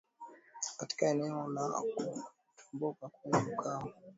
katika eneo la Katakokombe kwenye Mkoa wa Kasaimoja Jina lake la kuzaliwa lilikuwa